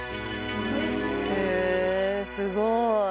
へえすごい。